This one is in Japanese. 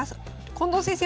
近藤先生